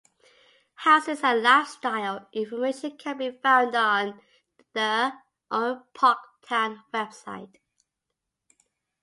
Houses and lifestyle information can be found on the Oran Park Town website.